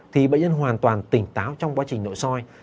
thì bệnh nhân hoàn toàn tỉnh táo trong quá trình nội soi